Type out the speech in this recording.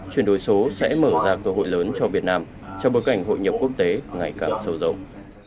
chuyển đổi số sẽ mở ra cơ hội lớn cho việt nam trong bối cảnh hội nhập quốc tế ngày càng sâu rộng